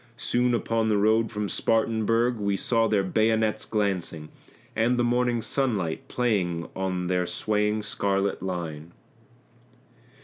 Soon upon the road from Spartanburg we saw their bayonets glancing, And the morning sunlight playing on their swaying scarlet line.